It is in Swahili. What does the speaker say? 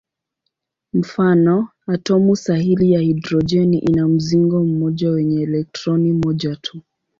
Mfano: atomu sahili ya hidrojeni ina mzingo mmoja wenye elektroni moja tu.